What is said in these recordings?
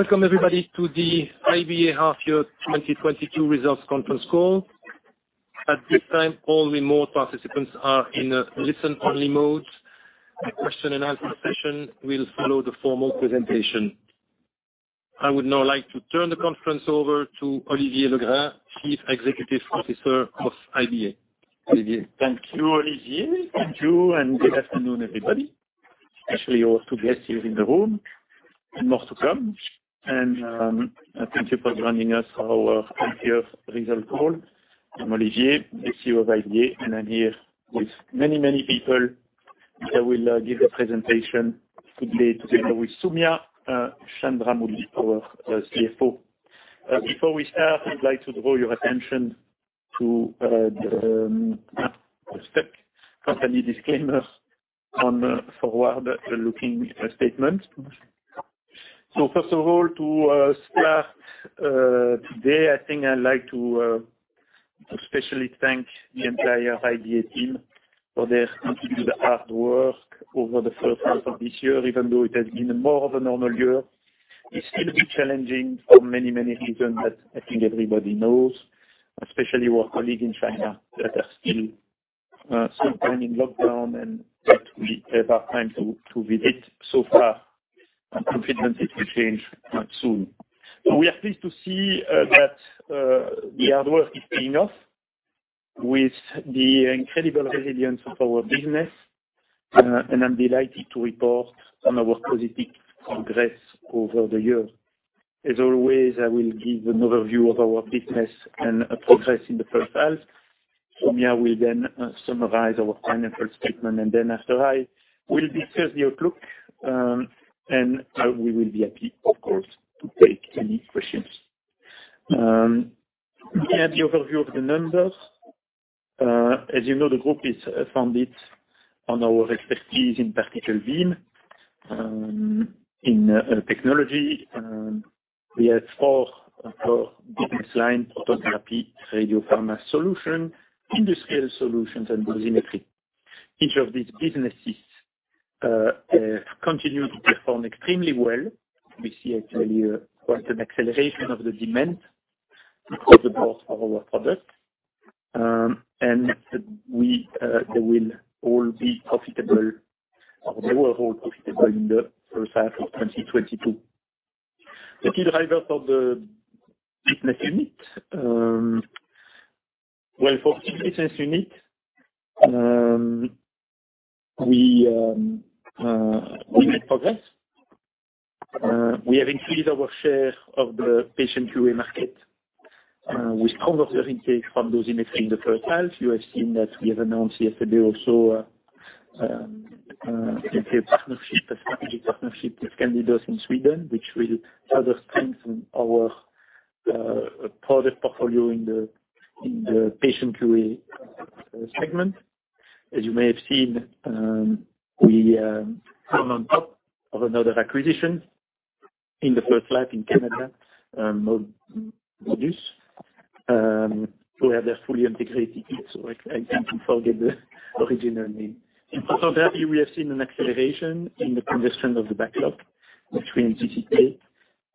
Welcome everybody to the IBA Half Year 2022 Results Conference Call. At this time, all remote participants are in listen only mode. The question and answer session will follow the formal presentation. I would now like to turn the conference over to Olivier Legrain, Chief Executive Officer of IBA. Olivier. Thank you, Olivier. Thank you, and good afternoon, everybody. Especially our two guests here in the room and more to come. Thank you for joining us for our IBA results call. I'm Olivier, CEO of IBA, and I'm here with many people that will give the presentation today, together with Soumya Chandramouli, our CFO. Before we start, I'd like to draw your attention to the standard company disclaimer on the forward-looking statement. First of all, today, I think I'd like to especially thank the entire IBA team for their continued hard work over the first half of this year. Even though it has been more of a normal year, it's still a bit challenging for many reasons that I think everybody knows, especially our colleagues in China that are still sometimes in lockdown, and that we have had time to visit so far. I'm confident it will change soon. We are pleased to see that the hard work is paying off with the incredible resilience of our business, and I'm delighted to report on our positive progress over the year. As always, I will give an overview of our business and progress in the first half. Soumya will then summarize our financial statement, and then after I will discuss the outlook, and we will be happy, of course, to take any questions. We had the overview of the numbers. As you know, the group is founded on our expertise in particle beam technology. We have four core business lines: Proton Therapy, RadioPharma Solutions, Industrial Solutions, and Dosimetry. Each of these businesses continue to perform extremely well. We see actually quite an acceleration of the demand across the board for our products. They will all be profitable, or they were all profitable in the first half of 2022. The key drivers for the business unit. Well, for key business unit, we made progress. We have increased our share of the patient QA market with order intake from Dosimetry in the first half. You have seen that we have announced yesterday also, a partnership, a strategic partnership with ScandiDos in Sweden, which will further strengthen our product portfolio in the patient QA segment. As you may have seen, we come on top of another acquisition in the first half in Canada, Modus. We have fully integrated it, so I think we forget the original name. In Proton Therapy, we have seen an acceleration in the condition of the backlog, which we anticipate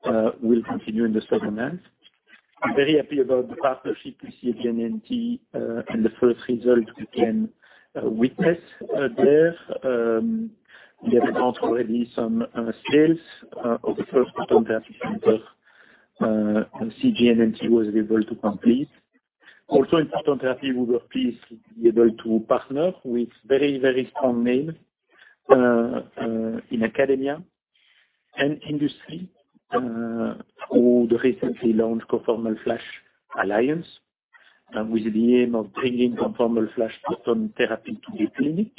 will continue in the second half. I'm very happy about the partnership with CGNMT, and the first result we can witness there. We have announced already some sales of the first Proton Therapy center CGNMT was able to complete. In Proton Therapy, we were pleased to be able to partner with very, very strong names in academia and industry through the recently launched ConformalFLASH Alliance, with the aim of bringing ConformalFLASH Proton Therapy to the clinic.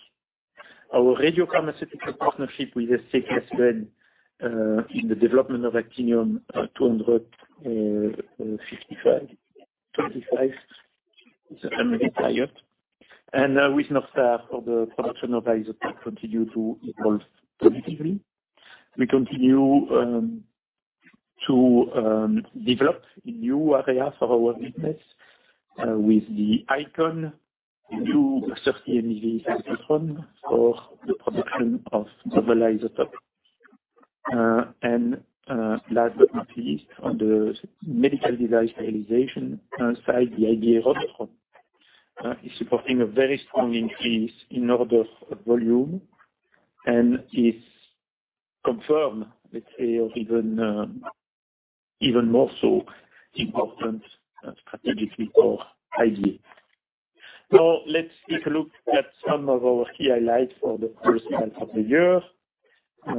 Our radiopharmaceutical partnership with SCK CEN in the development of Actinium-225. [inaudible] Our business there for the production of isotopes continues to evolve positively. We continue to develop new areas for our business with the Cyclone IKON, new 30 MeV cyclotron for the production of medical isotope. Last but not least, on the medical device sterilization side, the IBA Rhodotron is supporting a very strong increase in order volume and is confirmed, let's say, or even more so important strategically for IBA. Now, let's take a look at some of our key highlights for the first half of the year. I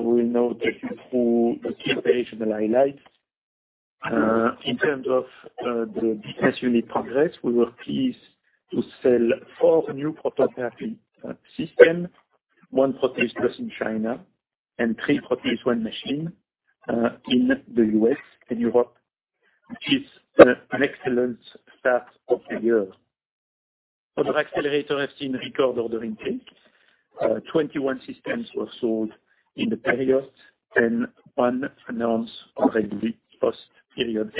will now take you through the key operational highlights. In terms of the business unit progress, we were pleased to sell four new Proton Therapy systems, one Proteus Plus in China and three ProteusONE machines in the US and Europe, which is an excellent start of the year. For our accelerator, we've seen record order intake. Twenty-one systems were sold in the period, and one announced already post period.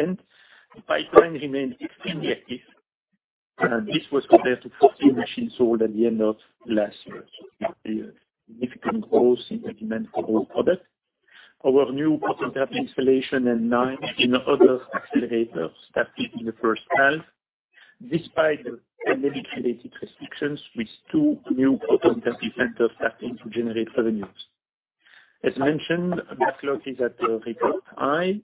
This was compared to 40 machines sold at the end of last year. A significant growth in the demand for our product. Our new Proton Therapy installation and nine other accelerators started in the first half, despite the pandemic-related restrictions, with two new Proton Therapy centers starting to generate revenues. As mentioned, backlog is at a record high,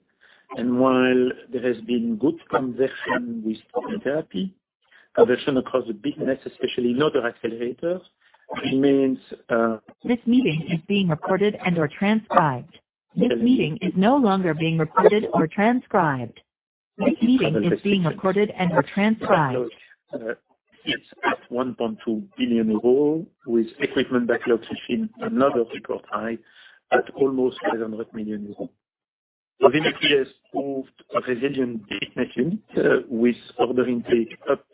and while there has been good conversion with Proton Therapy, conversion across the business, especially in other accelerators, remains. Pandemic-related restrictions. Backlog is at EUR 1.2 billion with equipment backlogs reaching another record high at almost EUR 500 million. Dosimetry has proved a resilient business unit, with order intake up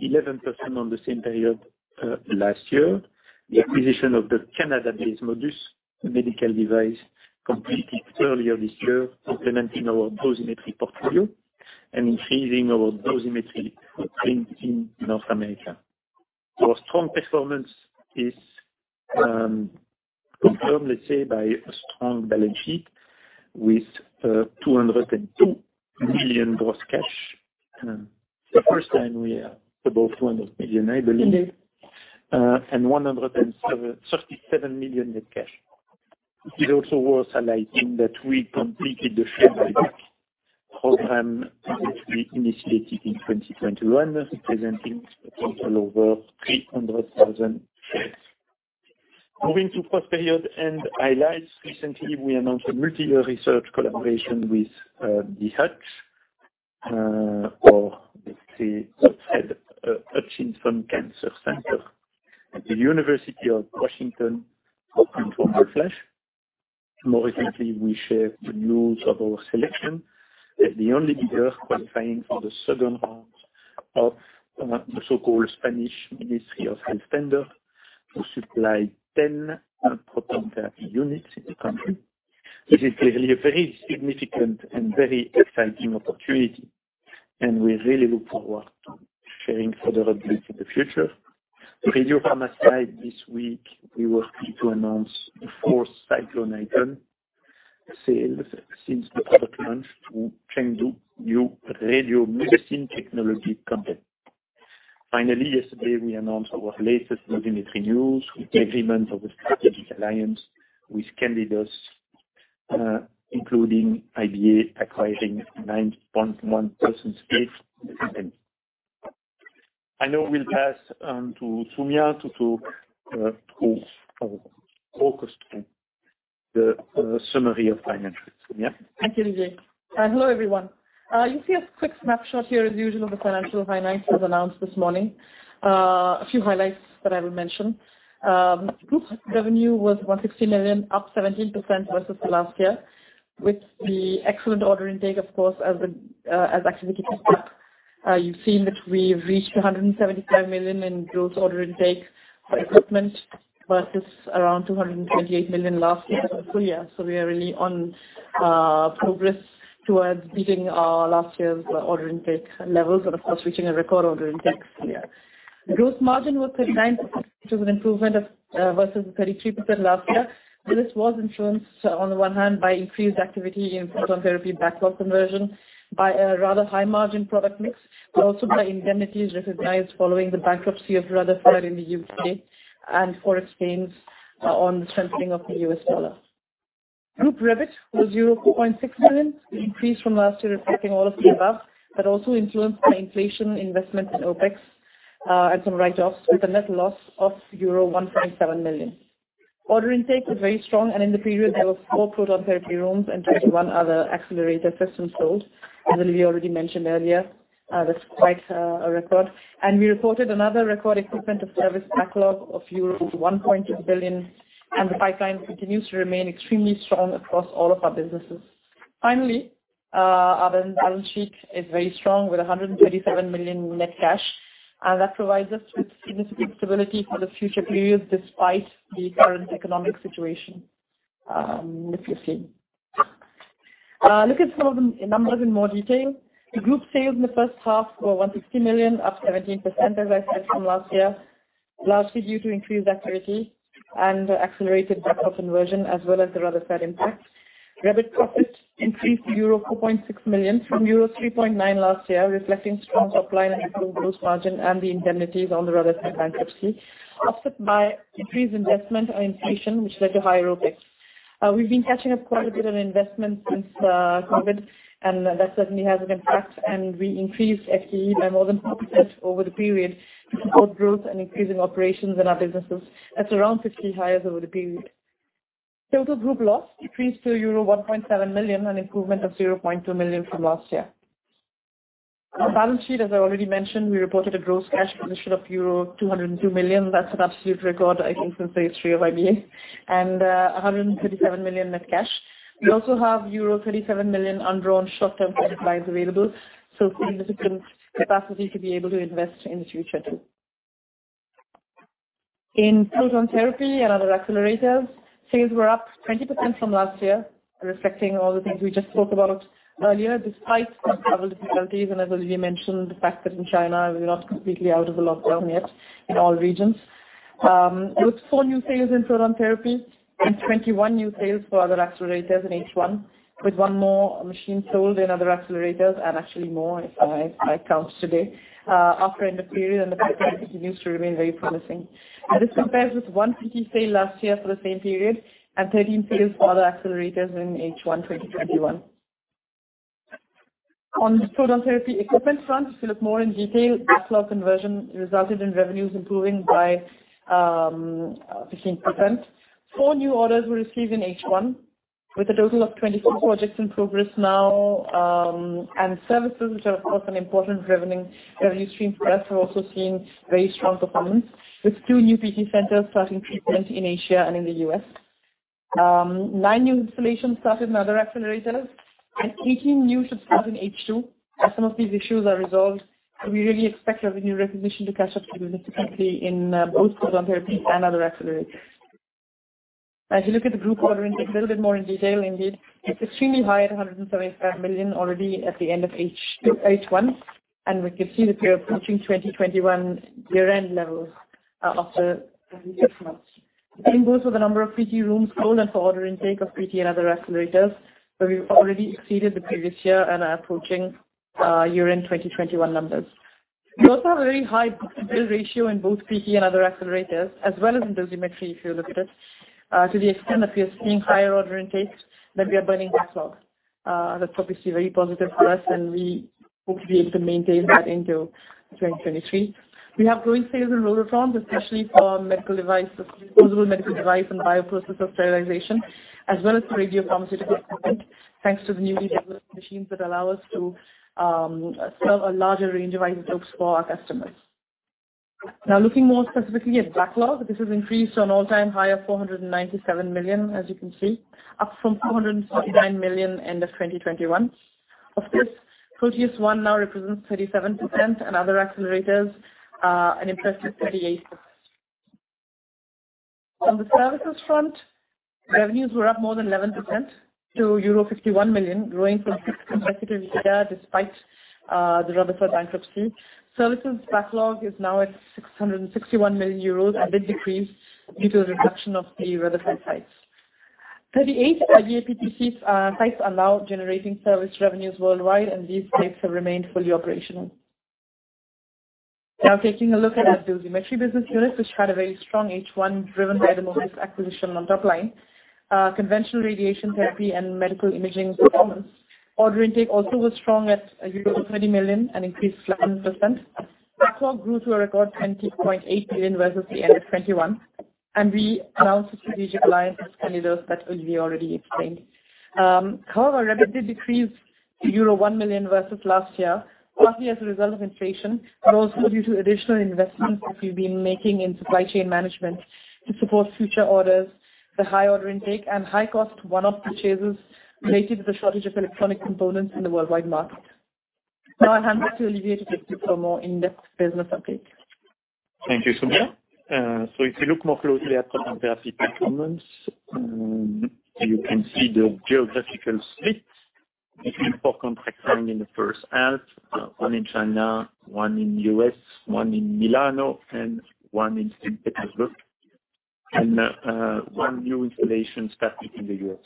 11% on the same period last year. The acquisition of the Canada-based Modus Medical Devices Inc. completed earlier this year, supplementing our dosimetry portfolio and increasing our dosimetry footprint in North America. Our strong performance is, confirmed, let's say, by a strong balance sheet with two hundred and two million gross cash. The first time we are above two hundred million, I believe, and one hundred and thirty-seven million net cash. It is also worth highlighting that we completed the share buyback program initially initiated in 2021, representing a total over 300,000 shares. Moving to first period end highlights. Recently we announced a multi-year research collaboration with the Hutch, or let's say, Fred Hutchinson Cancer Center at the University of Washington in Seattle. More recently, we shared the news of our selection as the only bidder qualifying for the second round of the so-called Spanish Ministry of Health tender to supply 10 Proton Therapy units in the country. This is clearly a very significant and very exciting opportunity, and we really look forward to sharing further updates in the future. Radiopharma side, this week we were pleased to announce a fourth Cyclone IKON sale since the product launch to Chengdu New Radiomedicine Technology Co., Ltd. Finally, yesterday we announced our latest dosimetry news with the agreement of a strategic alliance with ScandiDos, including IBA acquiring 90.1% stake in the company. Now we'll pass to Soumya to focus on the summary of financials. Soumya? Thank you, Olivier. Hello, everyone. You see a quick snapshot here as usual of the financial highlights as announced this morning. A few highlights that I will mention. Group revenue was 160 million, up 17% versus the last year, with the excellent order intake, of course, as activity picked up. You've seen that we've reached 175 million in gross order intake for equipment versus around 228 million last full year. We are really on progress towards beating our last year's order intake levels and of course, reaching a record order intake this year. Gross margin was at 9%, which is an improvement of versus the 33% last year. This was influenced on the one hand by increased activity in Proton Therapy backlog conversion by a rather high margin product mix, but also by indemnities recognized following the bankruptcy of Rutherford Health in the UK and Forex gains on the strengthening of the US dollar. Group REBIT was 0.6 million, increased from last year, reflecting all of the above, but also influenced by inflation, investment in OpEx, and some write-offs with a net loss of euro 1.7 million. Order intake was very strong, and in the period there were four Proton Therapy rooms and 21 other accelerator systems sold, as Olivier already mentioned earlier. That's quite a record. We reported another record equipment and service backlog of euro 1.2 billion, and the pipeline continues to remain extremely strong across all of our businesses. Finally, our balance sheet is very strong with 137 million net cash, and that provides us with significant stability for the future periods despite the current economic situation, as you have seen. Looking at some of the numbers in more detail. The group sales in the first half were 160 million, up 17%, as I said, from last year, largely due to increased activity and accelerated backlog conversion as well as the Rutherford impact. REBIT profit increased to euro 4.6 million from euro 3.9 million last year, reflecting strong top line and improved gross margin and the indemnities on the Rutherford bankruptcy, offset by increased investment on inflation, which led to higher OpEx. We've been catching up quite a bit on investment since COVID, and that certainly has an impact. We increased FTE by more than 4% over the period to support growth and increasing operations in our businesses. That's around 50 hires over the period. Total group loss increased to euro 1.7 million, an improvement of 0.2 million from last year. Our balance sheet, as I already mentioned, we reported a gross cash position of euro 202 million. That's an absolute record, I think, since the history of IBA and 137 million net cash. We also have euro 37 million undrawn short-term credit lines available, so significant capacity to be able to invest in the future too. In Proton Therapy and other accelerators, sales were up 20% from last year, reflecting all the things we just spoke about earlier, despite some travel difficulties and as Olivier mentioned, the fact that in China we're not completely out of the lockdown yet in all regions. With four new sales in Proton Therapy and 21 new sales for other accelerators in H1, with one more machine sold in other accelerators and actually more if I count today, after end of period and the pipeline continues to remain very promising. This compares with one PT sale last year for the same period and 13 sales for other accelerators in H1 2021. On the Proton Therapy equipment front, if you look more in detail, backlog conversion resulted in revenues improving by 15%. four new orders were received in H1, with a total of 24 projects in progress now, and services, which are of course an important revenue stream for us, we're also seeing very strong performance with two new PT centers starting treatment in Asia and in the U.S. 9 new installations started in other accelerators and 18 new subscriptions in H2. As some of these issues are resolved, we really expect revenue recognition to catch up significantly in both Proton Therapy and other accelerators. As you look at the group order intake a little bit more in detail, indeed, it's extremely high at 175 million already at the end of H1, and we can see that we're approaching 2021 year-end levels after the six months. The same goes for the number of PT rooms sold and for order intake of PT and other accelerators, where we've already exceeded the previous year and are approaching year-end 2021 numbers. We also have a very high book-to-bill ratio in both PT and other accelerators, as well as in dosimetry, if you look at it, to the extent that we are seeing higher order intake than we are building backlog. That's obviously very positive for us, and we hope to be able to maintain that into 2023. We have growing sales in Rhodotron, especially for medical device, disposable medical device and bioprocess of sterilization, as well as radiopharmaceuticals equipment, thanks to the newly developed machines that allow us to sell a larger range of isotopes for our customers. Now looking more specifically at backlog, this has increased to an all-time high of 497 million, as you can see, up from 449 million end of 2021. Of this, ProteusONE now represents 37% and other accelerators an impressive 38%. On the services front, revenues were up more than 11% to euro 51 million, growing for the sixth consecutive year despite the Rutherford bankruptcy. Services backlog is now at 661 million euros, a big decrease due to the reduction of the Rutherford sites. Thirty-eight IBA PTC sites allow generating service revenues worldwide, and these sites have remained fully operational. Now taking a look at our Dosimetry business unit, which had a very strong H1 driven by the Modus acquisition on top line, conventional radiation therapy and medical imaging performance. Order intake also was strong at 30 million euro and increased 11%. Backlog grew to a record 20.8 million versus the end of 2021, and we announced a strategic alliance with ScandiDos that Olivier already explained. However, revenue did decrease to euro 1 million versus last year, partly as a result of inflation, but also due to additional investments that we've been making in supply chain management to support future orders, the high order intake and high cost one-off purchases related to the shortage of electronic components in the worldwide market. Now I'll hand back to Olivier to take you through a more in-depth business update. Thank you, Soumya. If you look more closely at Proton Therapy performance, you can see the geographical split between four contracts signed in the first half, one in China, one in U.S., one in Milano, and one in St. Petersburg, and one new installation started in the U.S.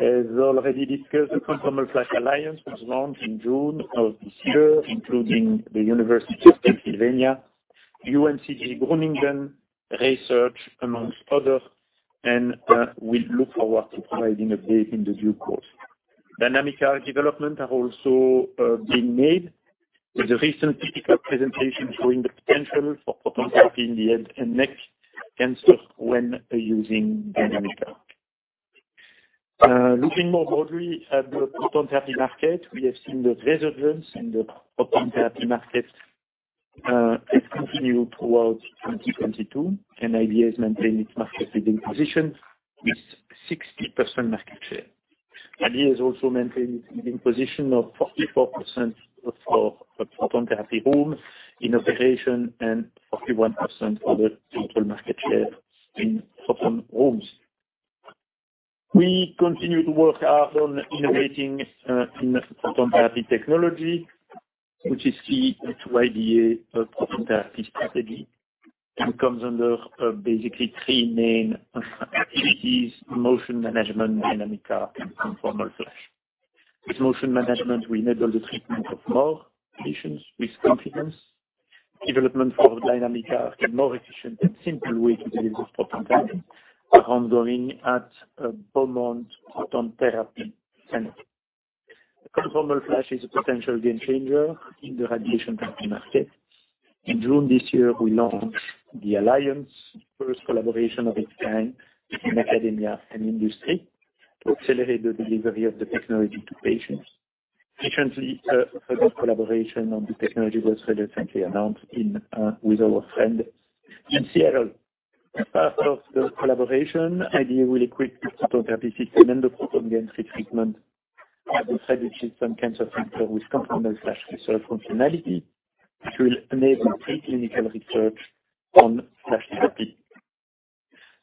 As already discussed, the ConformalFLASH Alliance was launched in June of this year, including the University of Pennsylvania, UMCG Groningen, among others, and we look forward to providing update in due course. DynamicARC developments have also been made with the recent clinical presentation showing the potential for Proton Therapy in the head and neck cancer when using DynamicARC. Looking more broadly at the Proton Therapy market, we have seen the resurgence in the Proton Therapy market, it continued throughout 2022, and IBA is maintaining its market leading position with 60% market share. IBA has also maintained its leading position of 44% of the Proton Therapy rooms in operation and 41% of the total market share in proton rooms. We continue to work hard on innovating in Proton Therapy technology, which is key to IBA Proton Therapy strategy and comes under basically three main activities, motion management, DynamicARC and ConformalFLASH. With motion management, we enable the treatment of more patients with confidence. Development for DynamicARC a more efficient and simple way to deliver Proton Therapy are ongoing at Beaumont Proton Therapy Center. ConformalFLASH is a potential game changer in the radiation therapy market. In June this year, we launched the alliance, first collaboration of its kind between academia and industry to accelerate the delivery of the technology to patients. Recently, a further collaboration on the technology was announced with our friends in Seattle. As part of the collaboration, IBA will equip its Proton Therapy system and the proton gantry treatment. We have decided some cancer center with functionality which will enable pre-clinical research on FLASH therapy.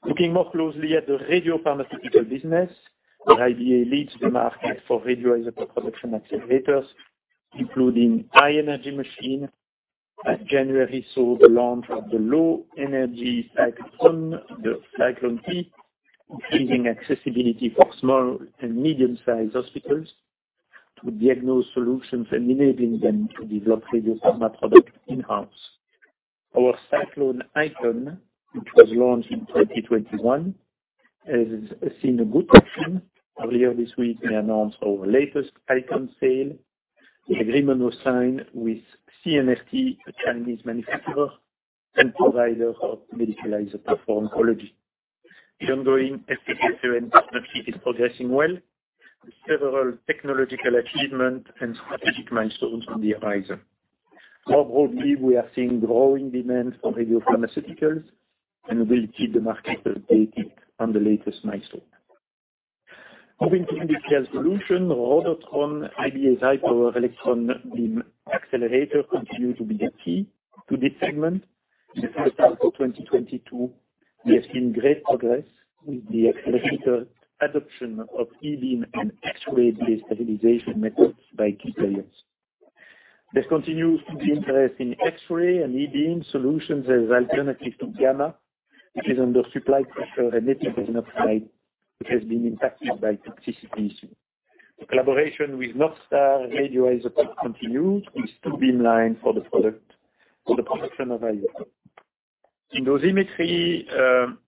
Looking more closely at the radiopharmaceutical business, where IBA leads the market for radioisotope production accelerators, including high energy machine. January saw the launch of the low energy cyclotron, the Cyclone T, increasing accessibility for small and medium-sized hospitals to diagnostic solutions and enabling them to develop radiopharmaceutical in-house. Our Cyclone IKON, which was launched in 2021, has seen a good adoption. Earlier this week, we announced our latest IKON sale. The agreement was signed with CNST, a Chinese manufacturer and provider of medical isotope for oncology. The ongoing partnership is progressing well, with several technological achievements and strategic milestones on the horizon. More broadly, we are seeing growing demand for radiopharmaceuticals, and we'll keep the market updated on the latest milestone. Moving to industrial solutions, the high power electron beam accelerator continues to be key to this segment. Since the start of 2022, we have seen great progress with the accelerated adoption of E-beam and X-ray-based sterilization methods by key players. There continues to be interest in X-ray and E-beam solutions as alternatives to gamma, which is under supply pressure, and EtO, which has been impacted by toxicity issues. The collaboration with NorthStar Medical Radioisotopes continues with two beam lines for the production of I-131. In dosimetry,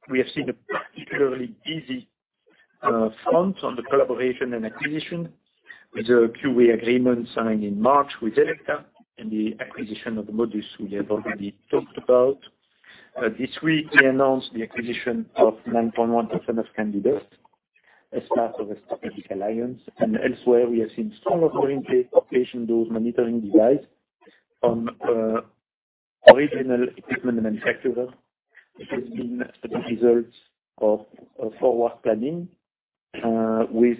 we have seen a particularly busy front on the collaboration and acquisition, with a QA agreement signed in March with Elekta and the acquisition of the Modus we have already talked about. This week we announced the acquisition of 9.1% of ScandiDos, as part of a strategic alliance. Elsewhere we have seen strong order intake for patient dose monitoring device from original equipment manufacturer, which has been the results of forward planning with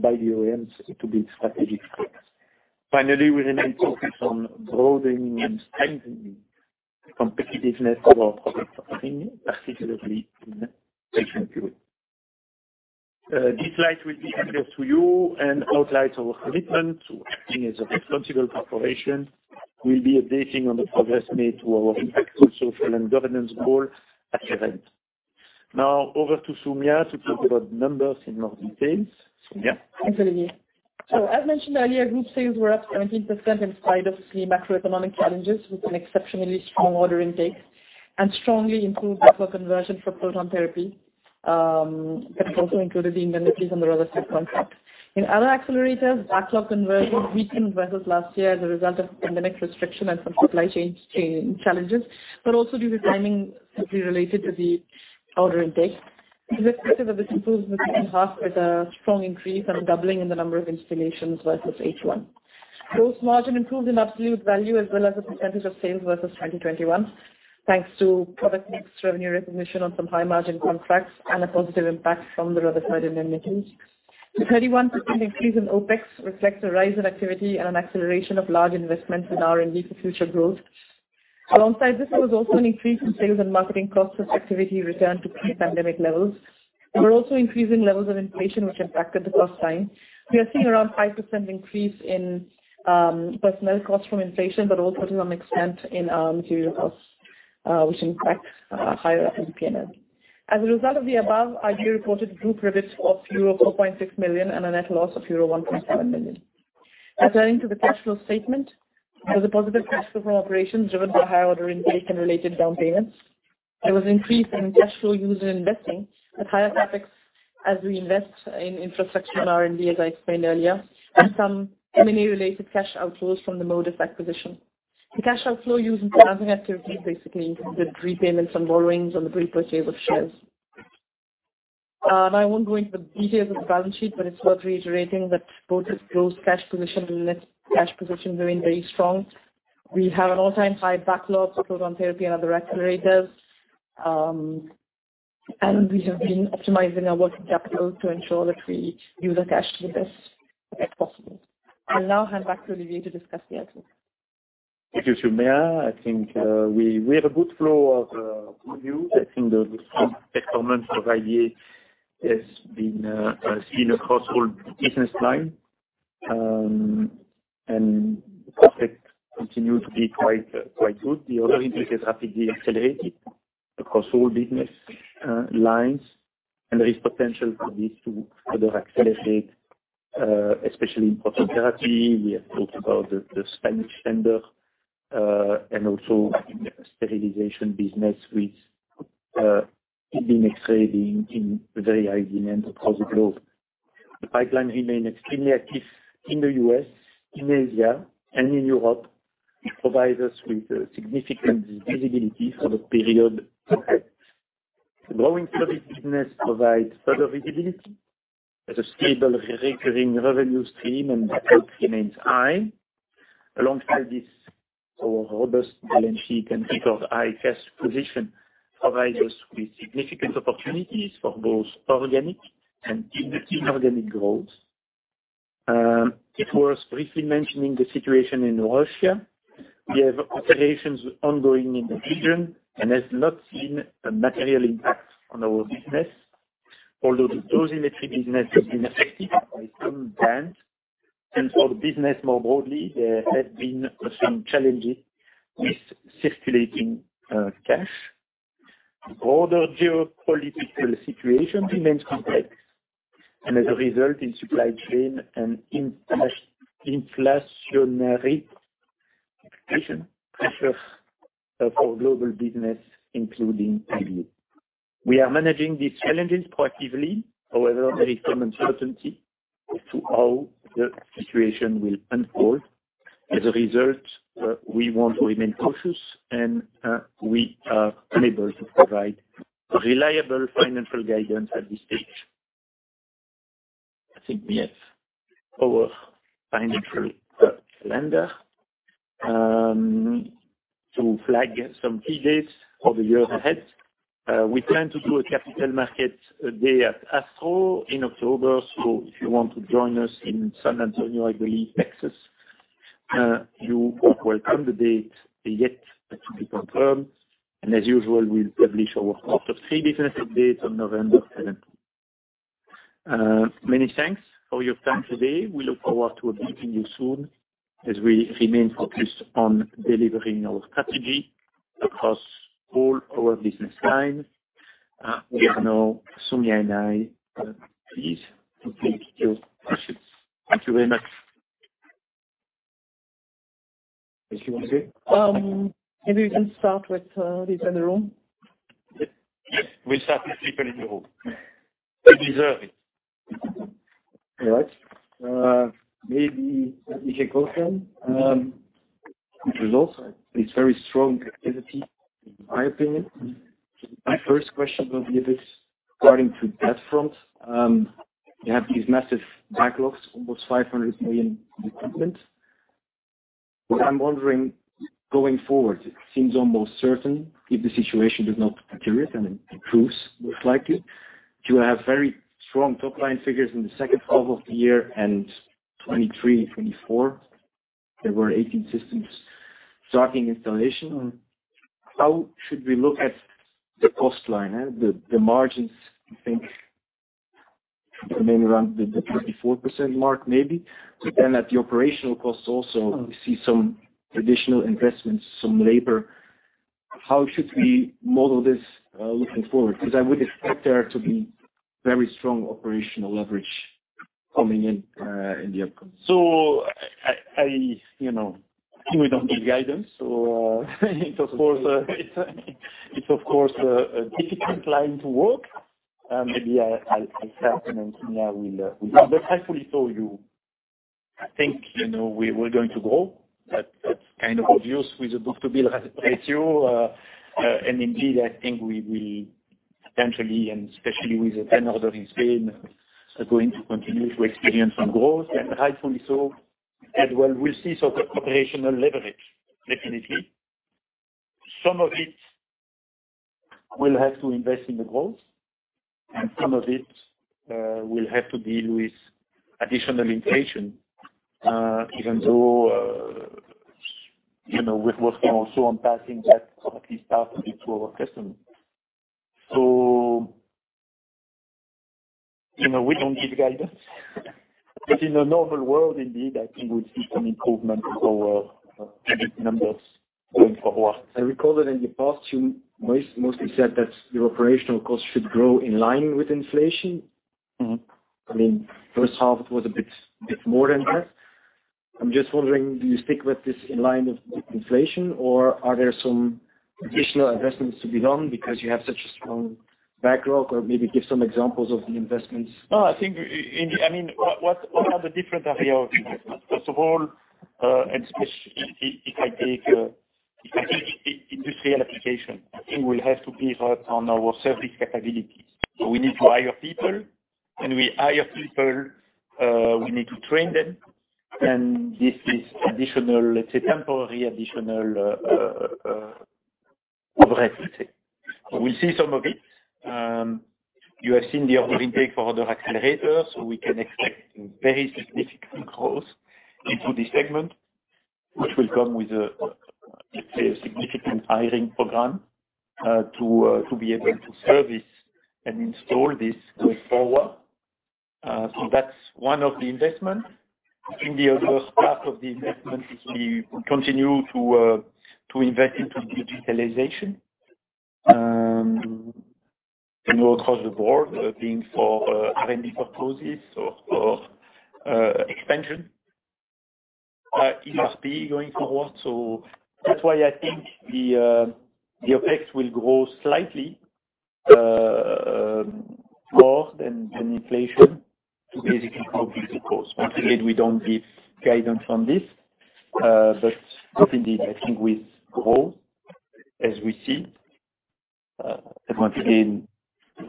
by the OEMs to build strategic products. Finally, we remain focused on growing and strengthening competitiveness of our product offering, particularly in patient care. This slide will be familiar to you and outlines our commitment to acting as a responsible corporation. We'll be updating on the progress made to our impact, social and governance goal at the event. Now over to Soumya to talk about numbers in more details. Soumya. Thanks, Olivier. As mentioned earlier, group sales were up 17% in spite of the macroeconomic challenges, with an exceptionally strong order intake and strongly improved backlog conversion for Proton Therapy. That also included the indemnities on the Rutherford contract. In other accelerators, backlog conversion weakened versus last year as a result of pandemic restrictions and some supply chain challenges, but also due to timing simply related to the order intake. In the second half with a strong increase and a doubling in the number of installations versus H1. Gross margin improved in absolute value as well as a percentage of sales versus 2021, thanks to product mix revenue recognition on some high margin contracts and a positive impact from the Rutherford indemnities. The 31% increase in OpEx reflects a rise in activity and an acceleration of large investments in R&D for future growth. Alongside this, there was also an increase in sales and marketing costs as activity returned to pre-pandemic levels. There were also increasing levels of inflation which impacted the cost line. We are seeing around 5% increase in personnel costs from inflation, but also to some extent in material costs, which impact higher up in P&L. As a result of the above, IBA reported group revenues of euro 4.6 million and a net loss of euro 1.7 million. Turning to the cash flow statement, there was a positive cash flow from operations driven by higher order intake and related down payments. There was increase in cash flow used in investing at higher CapEx as we invest in infrastructure and R&D, as I explained earlier, and some M&A related cash outflows from the Modus acquisition. The cash outflow used in financing activities basically the repayments and borrowings on the pre-payable shares. Now I won't go into the details of the balance sheet, but it's worth reiterating that both its gross cash position and net cash position remain very strong. We have an all-time high backlog for Proton Therapy and other accelerators. We have been optimizing our working capital to ensure that we use our cash for this as possible. I'll now hand back to Olivier to discuss the outlook. Thank you, Soumya. I think we had a good flow of review. I think the strong performance of IBA has been seen across all business lines. The prospects continue to be quite good. The order intake has rapidly accelerated across all business lines, and there is potential for this to further accelerate, especially in Proton Therapy. We have talked about the Spanish tender, and also in the sterilization business with E-beam X-ray being in very high demand across the globe. The pipeline remains extremely active in the U.S., in Asia and in Europe. It provides us with significant visibility for the period ahead. The growing service business provides further visibility as a stable recurring revenue stream and the momentum remains high. Alongside this, our robust LNC and maybe we can start with these in the room. Yes, we'll start with people in the room. They deserve it. All right. Maybe we can go then with results. It's very strong activity in my opinion. My first question will be this, according to that front, you have these massive backlogs, almost 500 million equipment. What I'm wondering, going forward, it seems almost certain if the situation does not deteriorate, and it improves, most likely, you have very strong top line figures in the second half of the year and 2023, 2024. There were 18 systems starting installation. How should we look at the cost line? The margins, you think remaining around the 24% mark maybe. At the operational costs also, we see some traditional investments, some labor. How should we model this, looking forward? Because I would expect there to be very strong operational leverage coming in the outcome. I, you know, we don't give guidance, so it's of course a difficult line to walk. Maybe I'll start, and then Soumya will join. Hopefully show you, I think, you know, we're going to grow, but that's kind of obvious with the book-to-bill ratio. And indeed, I think we will potentially, and especially with the 10 orders in Spain, are going to continue to experience some growth. Hopefully so as well we'll see some operational leverage, definitely. Some of it will have to invest in the growth, and some of it will have to deal with additional inflation, even though, you know, with what we can also pass on to our customer you know, we don't give guidance, but in a normal world, indeed, I think we'll see some improvement to our numbers going forward. I recall that in the past, you mostly said that your operational costs should grow in line with inflation. Mm-hmm. I mean, first half, it was a bit more than that. I'm just wondering, do you stick with this in line with inflation, or are there some additional investments to be done because you have such a strong backlog? Or maybe give some examples of the investments. No, I think. I mean, what are the different areas? First of all, if I take industrial application, I think we'll have to pivot on our service capabilities. We need to hire people. When we hire people, we need to train them. This is additional, let's say temporary, overhead, let's say. We see some of it. You have seen the order intake for other accelerators, so we can expect very significant growth into this segment, which will come with, let's say, a significant hiring program to be able to service and install this going forward. That's one of the investments. In the other part of the investment, we continue to invest into digitalization, you know, across the board, being for R&D purposes or expansion, ERP going forward. That's why I think the OpEx will grow slightly more than inflation to basically cover the costs. Once again, we don't give guidance on this, but indeed I think with growth, as we see,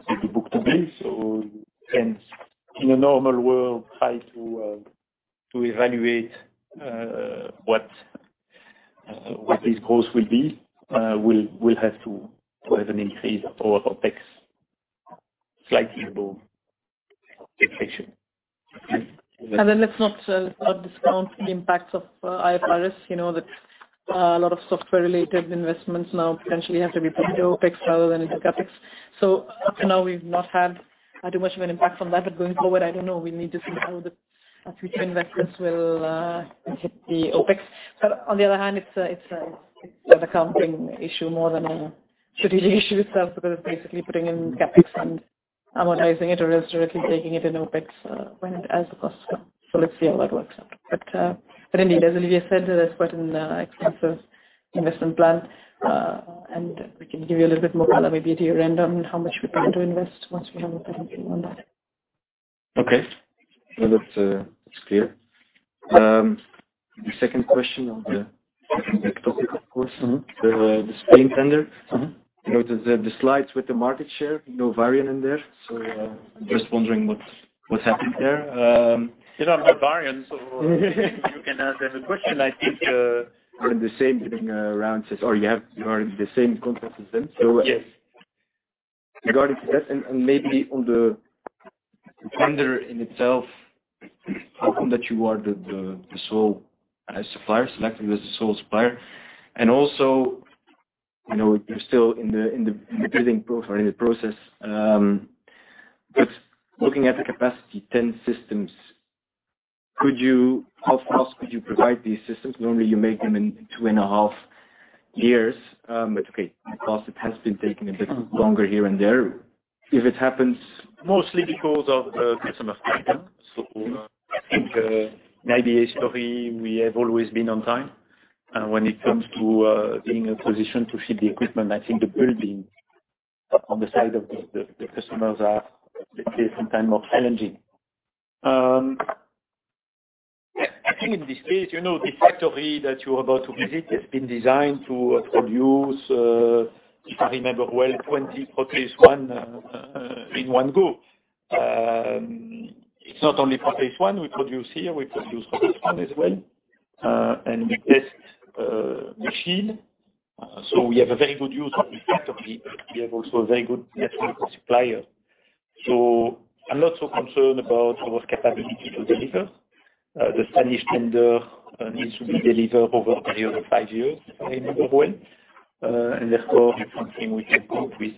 once again, it's a good book-to-bill. Hence, in a normal world, try to evaluate what this growth will be. We'll have to have an increase of our OpEx slightly above expectation. Let's not discount the impact of IFRS. You know that a lot of software-related investments now potentially have to be put into OpEx rather than into CapEx. Up to now, we've not had too much of an impact on that. Going forward, I don't know. We need to see how the future investments will hit the OpEx. On the other hand, it's an accounting issue more than a strategic issue itself, because it's basically putting in CapEx and amortizing it, or else directly taking it in OpEx when as the costs come. Let's see how that works out. Indeed, as Olivier said, there's quite an expensive investment plan, and we can give you a little bit more color maybe at year-end on how much we plan to invest once we have a better view on that. Okay. Well, that is clear. The second question on the second big topic, of course. Mm-hmm. The Spain tender. Mm-hmm. You know, the slides with the market share, no Varian in there. So, I'm just wondering what's happened there. They don't have Varian, so you can ask them the question. I think. You are in the same contract as them, so. Yes. Regarding that, maybe on the tender in itself, how come that you are the sole supplier, selected as the sole supplier? Also, I know you're still in the process. But looking at the capacity, 10 systems, how fast could you provide these systems? Normally you make them in two and a half years. But okay, the cost has been taking a bit longer here and there. If it happens. Mostly because of the customer side. I think maybe historically, we have always been on time when it comes to being in a position to ship the equipment. I think the building on the side of the customers are, let's say sometimes more challenging. I think in this case, you know, the factory that you're about to visit has been designed to produce, if I remember well, 20 ProteusONE in one go. It's not only ProteusONE we produce here, we produce ProteusONE as well, and with this machine. So we have a very good use of the factory. We have also a very good network of suppliers. I'm not so concerned about our capability to deliver. The Spanish tender needs to be delivered over a period of five years, if I remember well. Therefore, it's something we can cope with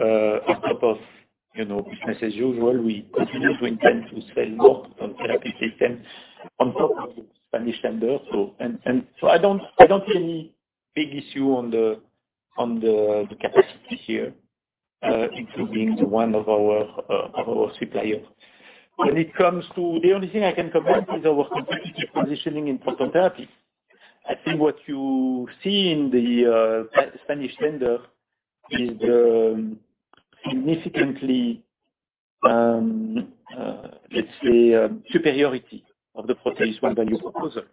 on top of, you know, business as usual. We continue to intend to sell more therapy systems on top of the Spanish tender. I don't see any big issue on the capacity here, including the one of our supplier. When it comes to, the only thing I can comment is our competitive positioning in Proton Therapy. I think what you see in the Spanish tender is significantly, let's say, superiority of the ProteusOne value proposal.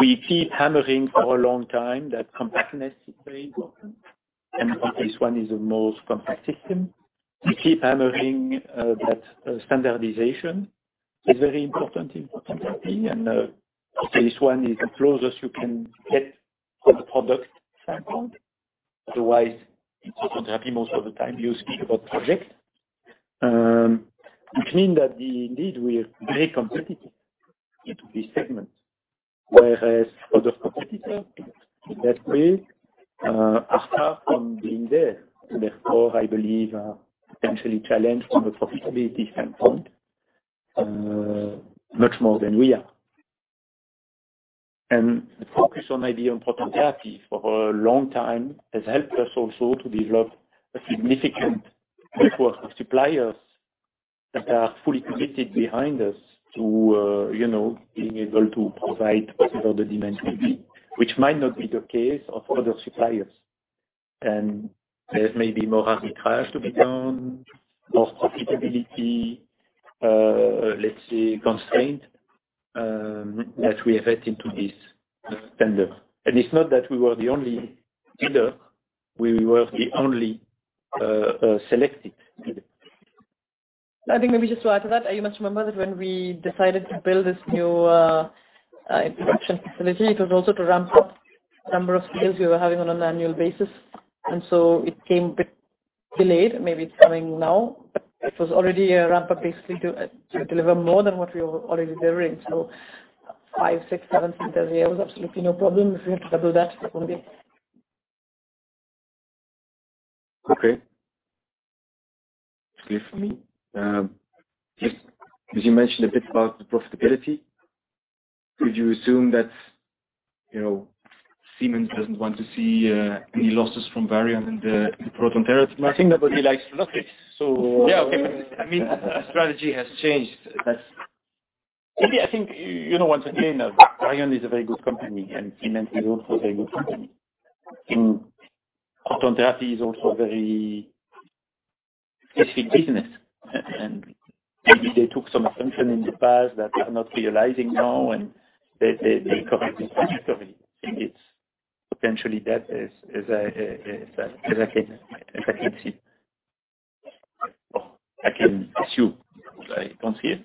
We keep hammering for a long time that compactness is very important, and ProteusOne is the most compact system. We keep hammering that standardization is very important in Proton Therapy, andProteusONE is the closest you can get from the product standpoint. Otherwise, in Proton Therapy, most of the time you speak about project. Which means that indeed we are very competitive into this segment, whereas other competitors in that bid are stuck from being there. Therefore, I believe, are potentially challenged from a profitability standpoint much more than we are. The focus on maybe on Proton Therapy for a long time has helped us also to develop a significant network of suppliers that are fully committed behind us to you know being able to provide whatever the demand will be. Which might not be the case of other suppliers. There may be more R&D trials to be done, more profitability, let's say constraint, that we have had into this tender. It's not that we were the only bidder, we were the selected bidder. I think maybe just to add to that, you must remember that when we decided to build this new production facility, it was also to ramp up number of sales we were having on an annual basis. It came bit delayed, maybe it's coming now, but it was already a ramp-up basically to deliver more than what we were already delivering. Five, six, seven centers, yeah, was absolutely no problem. If we have to double that, it will be. Okay. It's clear for me. Just 'cause you mentioned a bit about the profitability, would you assume that, you know, Siemens doesn't want to see any losses from Varian in the Proton Therapy? I think nobody likes to lose. I mean, strategy has changed. Maybe I think, you know, once again, that Varian is a very good company, and Siemens is also a very good company. Proton Therapy is also a business, and maybe they took some assumption in the past that they are not realizing now, and they correctly price recovery. I think it's potentially that is efficiency. I can assume, but I don't see it.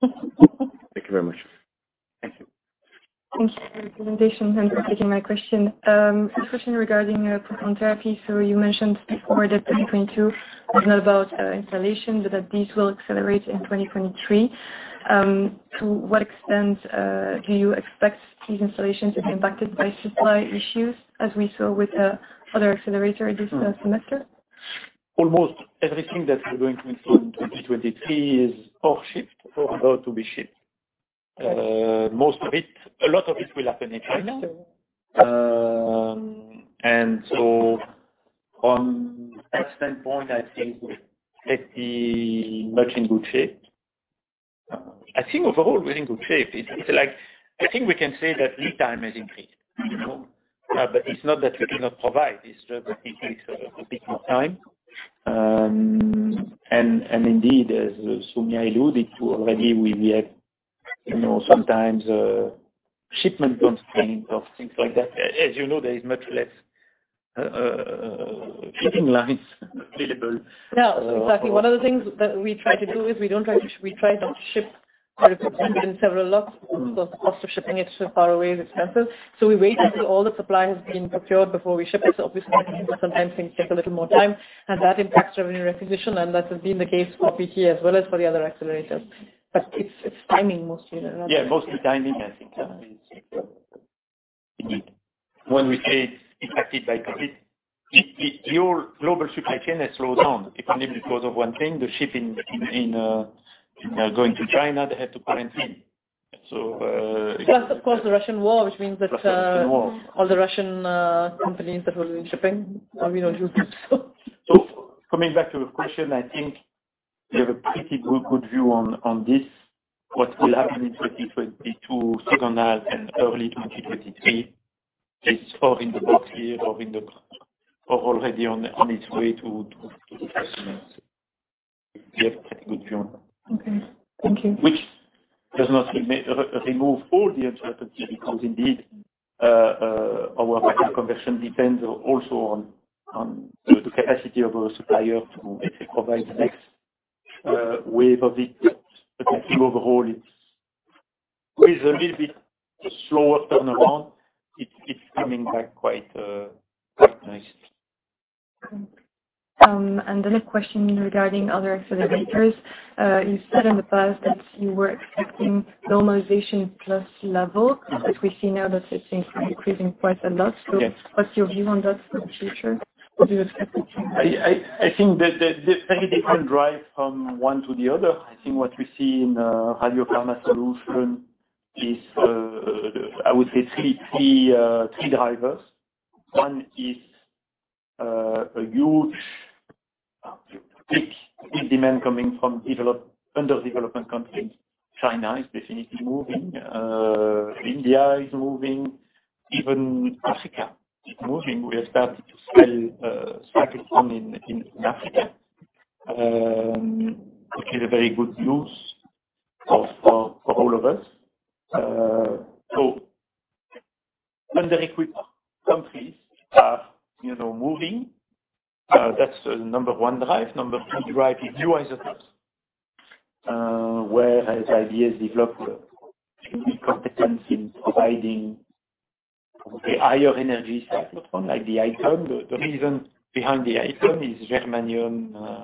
Thank you very much. Thank you. Thank you for the presentation and for taking my question. A question regarding Proton Therapy. You mentioned before that 2022 was about installation, but that these will accelerate in 2023. To what extent do you expect these installations to be impacted by supply issues, as we saw with other accelerators this semester? Almost everything that we're doing in 2023 is or shipped or about to be shipped. Most of it. A lot of it will happen in China. From that standpoint, I think we're pretty much in good shape. I think overall we're in good shape. It's like I think we can say that lead time has increased, you know. It's not that we cannot provide. It's just that it takes a bit more time. Indeed, as Soumya alluded to already, we have, you know, sometimes shipment constraints or things like that. As you know, there is much less shipping lines available. Yeah, exactly. One of the things that we try to do is we try not to ship in several lots because the cost of shipping it so far away is expensive. We wait until all the supply has been procured before we ship it. Obviously, sometimes things take a little more time, and that impacts revenue recognition, and that has been the case for PT as well as for the other accelerators. It's, it's timing mostly, right? Yeah, mostly timing, I think. Indeed. When we say impacted by COVID, it. Your global supply chain has slowed down, if only because of one thing, the shipping into China. They had to quarantine. Plus, of course, the Russian war, which means that, Russian war. All the Russian companies that were in Japan are, you know, Coming back to the question, I think we have a pretty good view on this. What will happen in 2022, second half and early 2023 is all in the books here or already on its way to the customers. We have pretty good view on that. Okay. Thank you. Which does not remove all the uncertainty because indeed, our conversion depends also on the capacity of a supplier to provide the next wave of it. I think overall it's with a little bit slower turnaround, it's coming back quite nice. Okay. A question regarding other accelerators. You said in the past that you were expecting normalization plus level, but we see now that these things are decreasing quite a lot. Yes. What's your view on that for the future? What do you expect to change? I think that the very different drive from one to the other. I think what we see in RadioPharma Solutions is I would say three drivers. One is a huge big demand coming from developing countries. China is definitely moving. India is moving. Even Africa is moving. We are starting to sell cyclotron in Africa, which is a very good news for all of us. So under equipped countries are, you know, moving. That's number one drive. Number two drive is new isotopes, whereas IBA develops a unique competence in providing the higher energy cyclotron like the Cyclone IKON. The reason behind the Cyclone IKON is Germanium-68.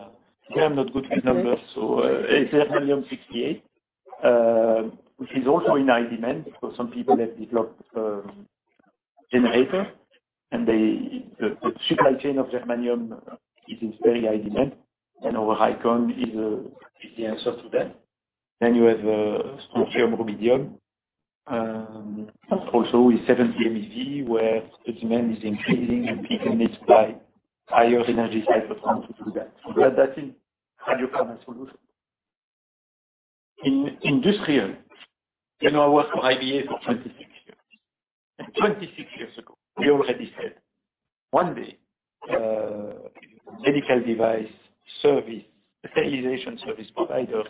Here I'm not good with numbers, so it's Germanium-68, which is also in high demand for some people that develop generator. The supply chain of germanium is in very high demand, and our Cyclone IKON is the answer to that. Then you have a scandium rubidium, also with 70 MeV, where the demand is increasing, and people need to buy higher energy cyclotron to do that. But that's in RadioPharma Solutions. In Industrial, you know, I work for IBA for 26 years. 26 years ago, we already said one day, medical device sterilization service provider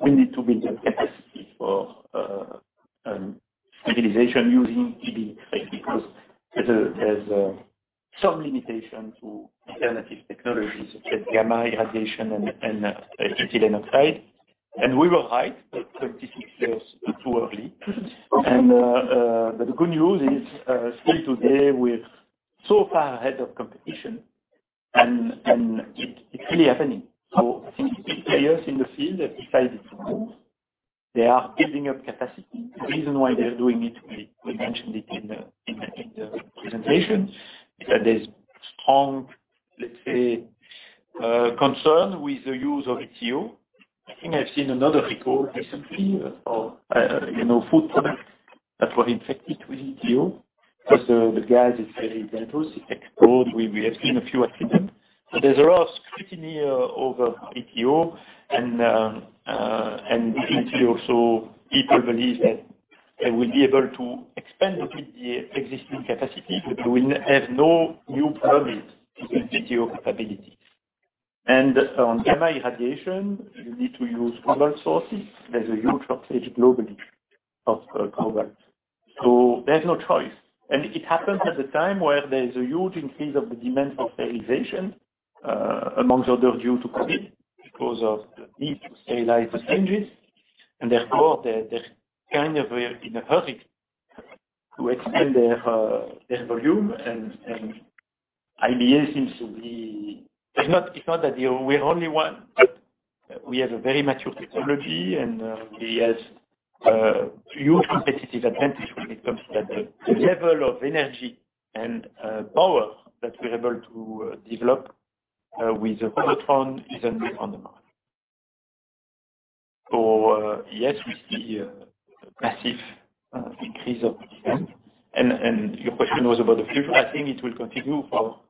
will need to build the capacity for, sterilization using E-beam because there's some limitation to alternative technologies such as gamma irradiation and ethylene oxide. We were right, but 26 years too early. But the good news is, still today we're so far ahead of competition and it's really happening. I think big players in the field have decided to move. They are building up capacity. The reason why they are doing it, we mentioned it in the presentation, is that there's strong, let's say, concern with the use of EtO. I think I've seen another recall recently of, you know, food products that were infected with EtO. Plus the gas is very dangerous. It can explode. We have seen a few accidents. There's a lot of scrutiny over EtO and lately also people believe that they will be able to expand the existing capacity, but they will have no new product to complete their capabilities. On gamma irradiation, you need to use cobalt sources. There's a huge shortage globally of cobalt, so there's no choice. It happens at a time where there is a huge increase of the demand for sterilization, among others, due to COVID, because of the need to sterilize syringes. Therefore, they're kind of in a hurry to expand their volume. IBA seems to be. It's not that we're only one, but we have a very mature technology, and we have a huge competitive advantage when it comes to the level of energy and power that we're able to develop with the Rhodotron on the market. Yes, we see a massive increase of demand. Your question was about the future. I think it will continue for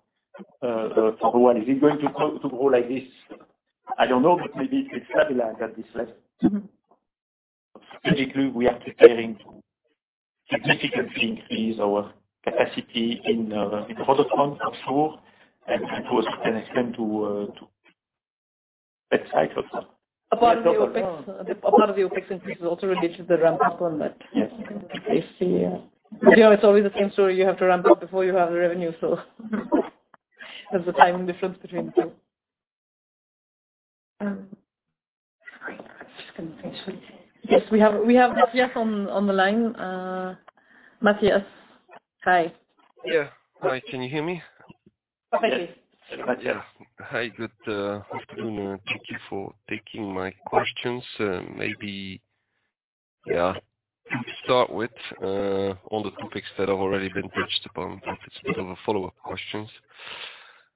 a while. Is it going to go like this? I don't know, but maybe it could stabilize at this level. Physically, we are preparing to significantly increase our capacity in proton for sure, and to a certain extent to Cyclone. A part of the OpEx increase is also related to the ramp-up on that. Yes. You see, you know, it's always the same story. You have to ramp-up before you have the revenue, so there's a time difference between the two. Yes, we have Matthias on the line. Matthias, hi. Yeah. Hi, can you hear me? Perfectly. Yes. Mathias. Yeah. Hi, good afternoon, and thank you for taking my questions. Maybe, yeah, to start with, on the topics that have already been touched upon, but it's a bit of a follow-up questions.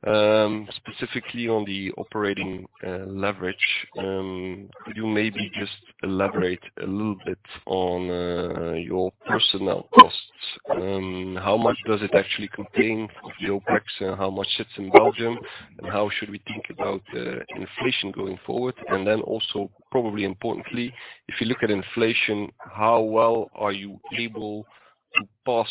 Specifically on the operating leverage, could you maybe just elaborate a little bit on your personnel costs? How much does it actually contain of the OpEx, and how much sits in Belgium? And how should we think about inflation going forward? And then also, probably importantly, if you look at inflation, how well are you able to pass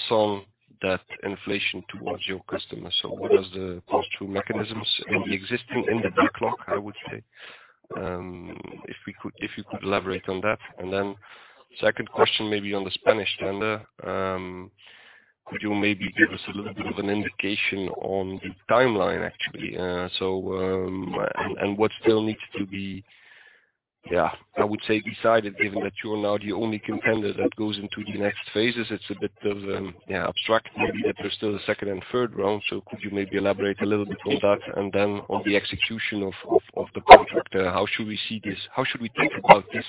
on that inflation towards your customers? So what is the cost pass-through mechanisms in the existing and the backlog, I would say, if you could elaborate on that. Second question maybe on the Spanish tender, could you maybe give us a little bit of an indication on the timeline actually? And what still needs to be, yeah, I would say decided, given that you are now the only contender that goes into the next phases. It's a bit of, yeah, abstract maybe that there's still a second and third round. Could you maybe elaborate a little bit on that? On the execution of the contract, how should we see this, how should we think about this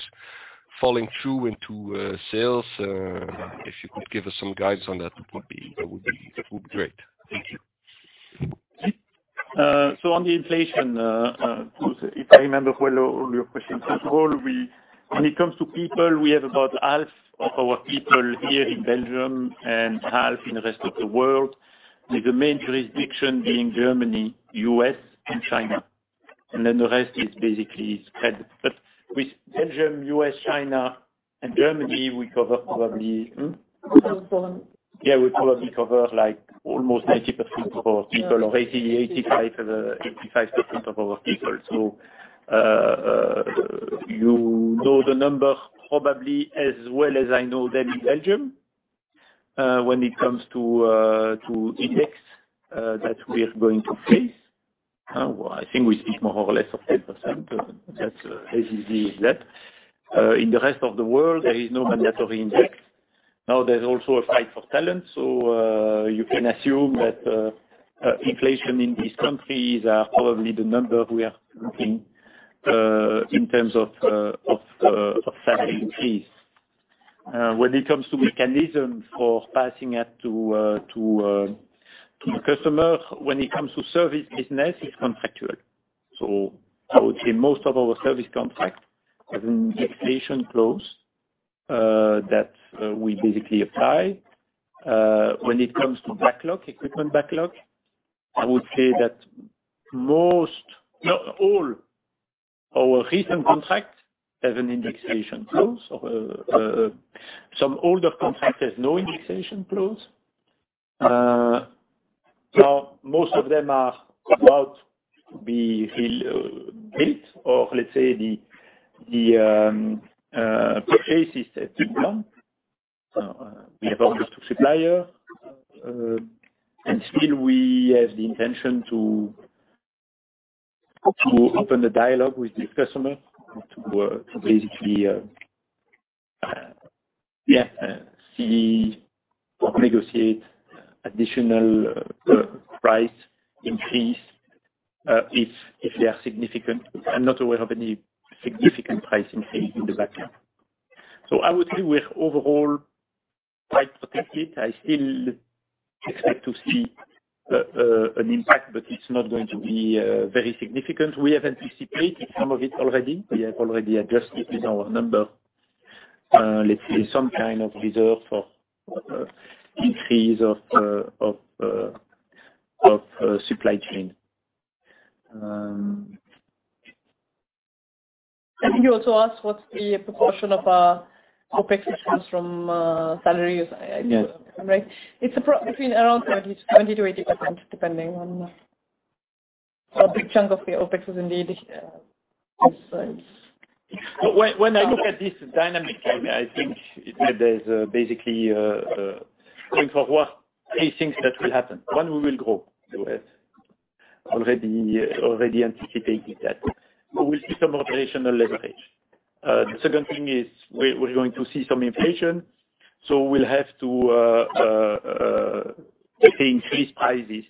falling through into sales? If you could give us some guidance on that, it would be great. Thank you. On the inflation, if I remember well all your questions, first of all, when it comes to people, we have about half of our people here in Belgium and half in the rest of the world, with the main jurisdiction being Germany, U.S., and China. Then the rest is basically spread. With Belgium, U.S., China and Germany, we cover probably. Yeah, we probably cover like almost 90% of our people or 85% of our people. You know the number probably as well as I know them in Belgium, when it comes to to index that we are going to face. I think we speak more or less of 10%. That's as easy as that. In the rest of the world, there is no mandatory index. There's also a fight for talent, so you can assume that inflation in these countries are probably the number we are looking in terms of of salary increase. When it comes to mechanism for passing it to to the customer, when it comes to service business, it's contractual. I would say most of our service contracts have an indexation clause that we basically apply. When it comes to backlog, equipment backlog, I would say that most, not all our recent contracts have an indexation clause. Some older contracts has no indexation clause. Now most of them are about to be rebuilt or let's say the purchase is set to run. We have orders to supplier, and still we have the intention to open the dialogue with the customer to basically see or negotiate additional price increase if they are significant. I'm not aware of any significant price increase in the backlog. I would say we're overall quite protected. I still expect to see an impact, but it's not going to be very significant. We have anticipated some of it already. We have already adjusted with our number, let's say some kind of reserve for increase of supply chain. You also asked what's the proportion of our OpEx that comes from salary. Yes. It's between around 70%-80%, depending on. A big chunk of the OpEx is indeed. When I look at this dynamic, I think that there's basically going forward three things that will happen. One, we will grow. We're already anticipating that. We'll see some operational leverage. The second thing is we're going to see some inflation, so we'll have to increase prices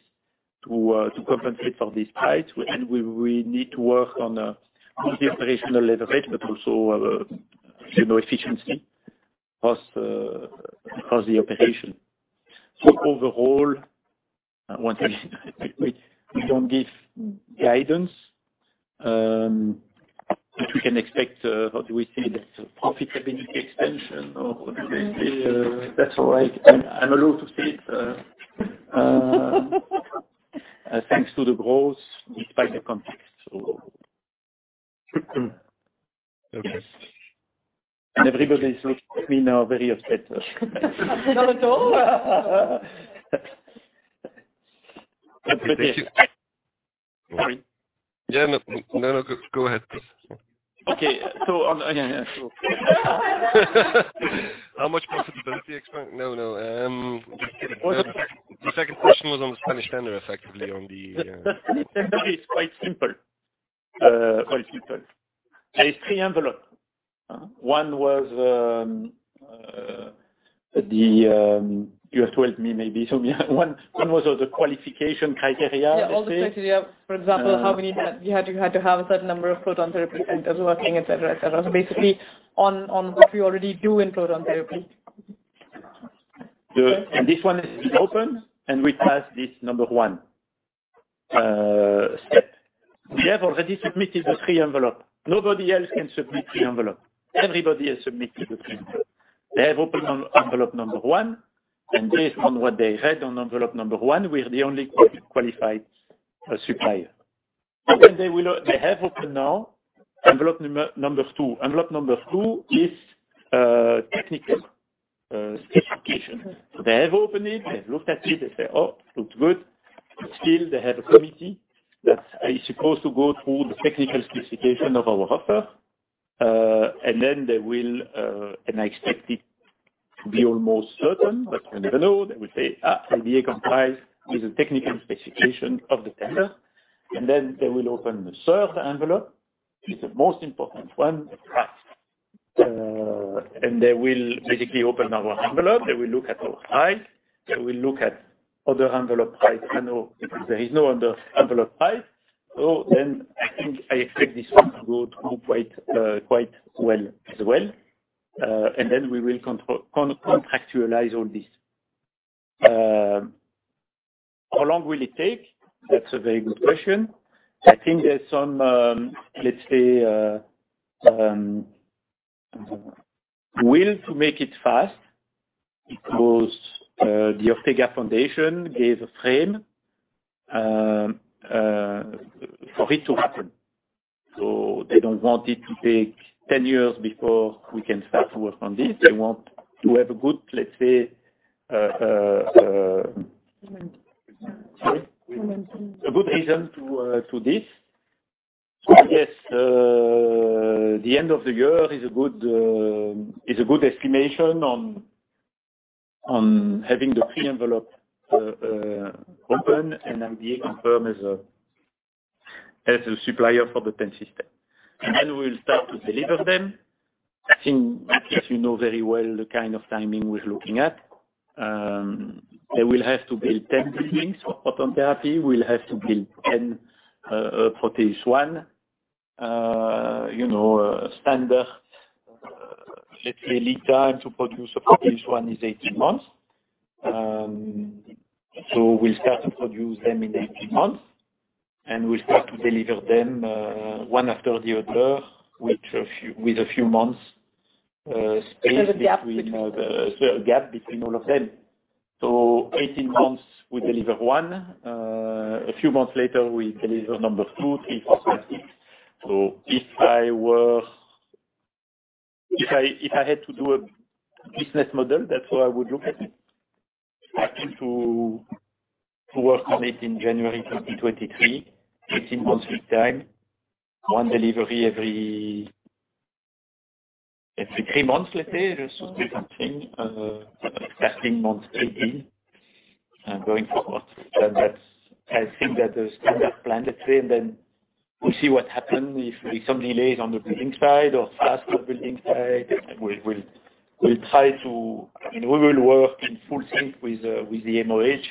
to compensate for these price. We need to work on the operational leverage, but also our efficiency across the operation. So overall, one second. We don't give guidance, but we can expect how do we say this, profitability expansion or how do we say. That's all right. I'm allowed to say it, thanks to the growth despite the context, so. Okay. Everybody's looking at me now, very upset. Not at all. Sorry. Yeah. No, no. Go ahead, please. Okay. No, no. The second question was on the Spanish tender, effectively on the, The tender is quite simple. There is three envelope. One was. You have to help me maybe. One was on the qualification criteria, let's say. Yeah, all the criteria. For example, you had to have a certain number of Proton Therapy centers working. [inaudible] Basically on what you already do in Proton Therapy. This one is open, and we passed this number one step. We have already submitted the three envelopes. Nobody else can submit three envelopes. Everybody has submitted the three envelopes. They have opened envelope number one, and based on what they read on envelope number one, we are the only qualified supplier. They have opened envelope number two. Envelope number two is technical specification. They have opened it, they've looked at it, they say, "Oh, looks good." Still they have a committee that is supposed to go through the technical specification of our offer. I expect it to be almost certain, but you never know, they will say, "NDA complies with the technical specification of the tender." They will open the third envelope. It's the most important one, the price. They will basically open our envelope. They will look at our price. They will look at other envelope price. I know there is no other envelope price. I think I expect this one to go through quite well as well. We will contractualize all this. How long will it take? That's a very good question. I think there's some, let's say, will to make it fast because The Amancio Ortega Foundation gave a timeframe for it to happen. They don't want it to take 10 years before we can start to work on this. They want to have a good, let's say, Sorry. A good addition to this. Yes, the end of the year is a good estimation on having the tender envelope open and NDA confirmed as a supplier for the 10 system. We'll start to deliver them. I think, I guess you know very well the kind of timing we're looking at. They will have to build 10 buildings for Proton Therapy. We'll have to build 10 ProteusONE. You know, standard, let's say, lead time to produce a ProteusONE is 18 months. We'll start to produce them in 18 months, and we'll start to deliver them one after the other, with a few months space between. There's a gap between. There's a gap between all of them. 18 months, we deliver one. A few months later, we deliver number two, three, four, five, six If I had to do a business model, that's how I would look at it. Starting to work on it in January 2023, 18 months lead time. One delivery every three months, let's say. Let's say something. Starting month 18, going forward. Then that's, I think that's the standard plan, let's say. We'll see what happens. If somebody lags on the building side or is fast on building side, we'll try to. I mean, we will work in full sync with the MOH.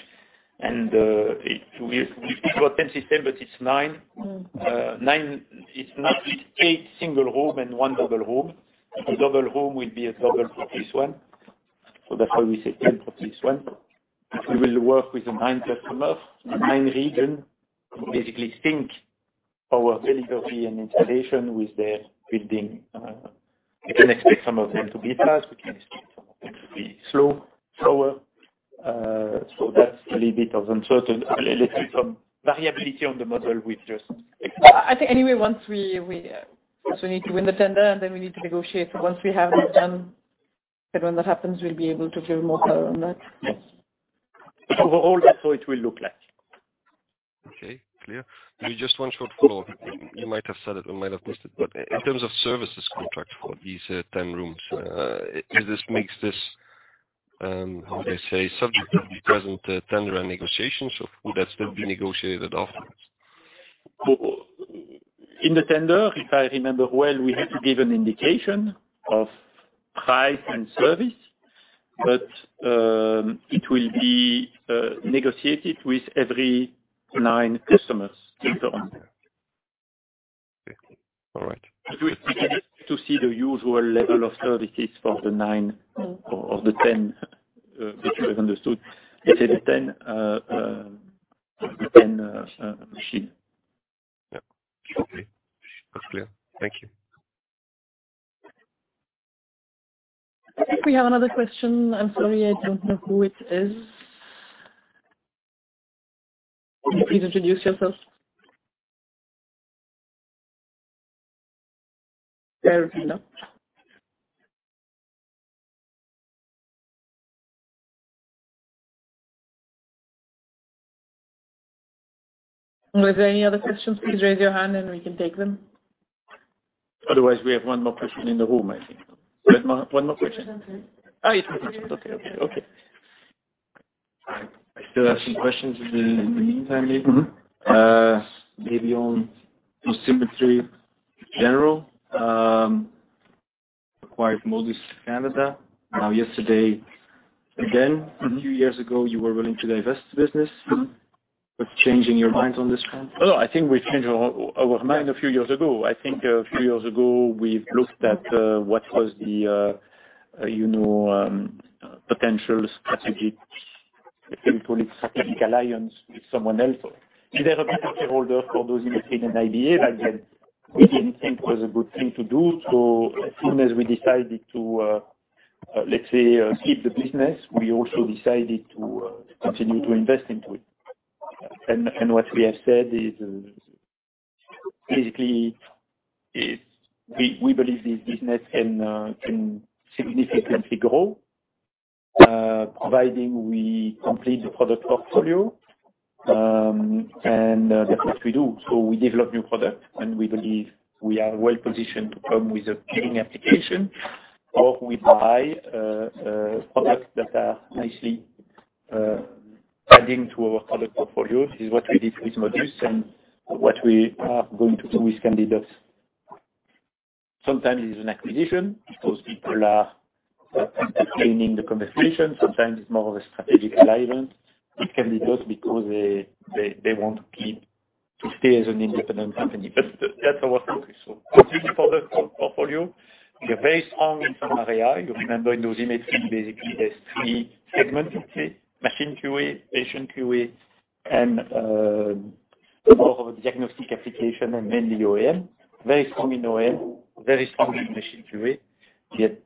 We spoke about 10 systems, but it's nine. Nine. It's not eight single room and one double room. The double home will be a doubleProteusONE. That's why we sayProteusONE. We will work with the nine customers, nine region, basically sync our delivery and installation with their building. We can expect some of them to be fast. We can expect some of them to be slow, slower. That's really a bit uncertain. A little bit of variability on the model. Well, I think anyway, first we need to win the tender, and then we need to negotiate. Once we have that done, then when that happens, we'll be able to give more color on that. Yes. Overall, that's how it will look like. Okay. Clear. Maybe just one short follow-up. You might have said it, or I might have missed it, but in terms of services contract for these 10 rooms, this makes, how we say, subject to the present tender and negotiations or will that still be negotiated afterwards? Well, in the tender, if I remember well, we had to give an indication of price and service. It will be negotiated with every client later on. Okay. All right. To see the usual level of services for the nine or the 10, if I have understood. Let's say the 10 machine. Yeah. Okay. That's clear. Thank you. I think we have another question. I'm sorry, I don't know who it is. Please introduce yourselves. Were there any other questions? Please raise your hand and we can take them. Otherwise, we have one more question in the room, I think. One more, one more question? It's on mute. Oh, it's on mute. Okay, okay. I still have some questions in the meantime, maybe. Mm-hmm. Maybe on Dosimetry in general. Acquired Modus, Canada. Now, yesterday again, a few years ago, you were willing to divest the business. Mm-hmm. Changing your minds on this front? Oh, I think we changed our mind a few years ago. I think a few years ago, we've looked at you know potential strategic, let me call it strategic alliance with someone else. We are a big shareholder for those investments in IBA, but we didn't think it was a good thing to do. As soon as we decided to, let's say, keep the business, we also decided to continue to invest into it. What we have said is basically we believe this business can significantly grow providing we complete the product portfolio. That's what we do. We develop new products, and we believe we are well-positioned to come with a killer application, or we buy products that are nicely adding to our product portfolio. This is what we did with Modus and what we are going to do with ScandiDos. Sometimes it is an acquisition because people are cleaning their portfolio. Sometimes it's more of a strategic alignment. It can be just because they want to stay as an independent company. That's our focus. Continue product portfolio. We are very strong in Pharma.AI. You remember in Dosimetry, basically there's three segments, okay? Machine QA, patient QA, and more of a diagnostic application and mainly OEM. Very strong in OEM, very strong in machine QA. We have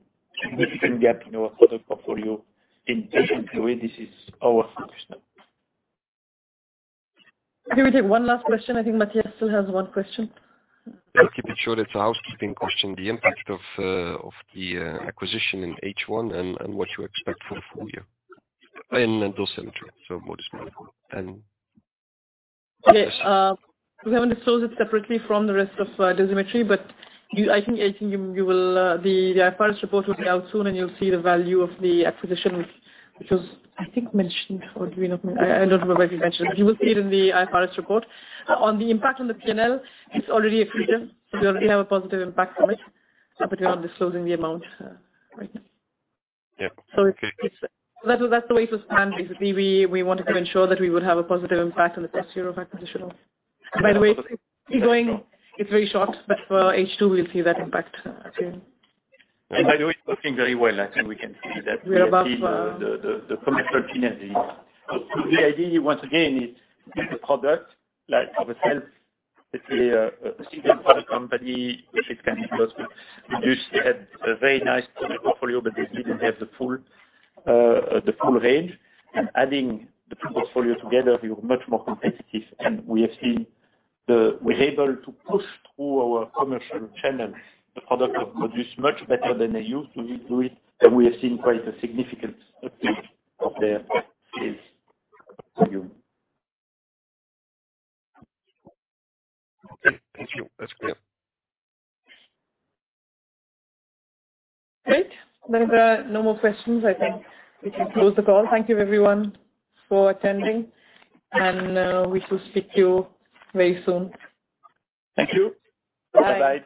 significant gap in our product portfolio in patient QA. This is our focus now. Maybe we take one last question. I think Matthias still has one question. I'll keep it short. It's a housekeeping question. The impact of the acquisition in H1 and what you expect for the full year in Dosimetry, so Modus Medical? And.. Yes. We haven't disclosed it separately from the rest of Dosimetry, but I think you will see the IFRS report will be out soon, and you'll see the value of the acquisition, which was, I think, mentioned. I don't remember if you mentioned, but you will see it in the IFRS report. On the impact on the P&L, it's already accretive. We already have a positive impact on it, but we're not disclosing the amount right now. Yeah. Okay. It's the way to plan. Basically, we wanted to ensure that we would have a positive impact on the first year of acquisition. By the way, it's going. It's very short, but for H2, we'll see that impact too. By the way, it's working very well. I think we can see that. We are about, uh- The commercial synergies. The idea, once again, is take a product like ourselves, basically a stand-alone for the company, which it can be close to. Modus had a very nice product portfolio, but they didn't have the full range. Adding the two portfolios together, we were much more competitive. We have seen. We're able to push through our commercial channels the product of Modus much better than they used to do it, and we have seen quite a significant uptake of their sales volume. Okay. Thank you. That's clear. Great. If there are no more questions, I think we can close the call. Thank you everyone for attending, and we shall speak to you very soon. Thank you. Bye-bye.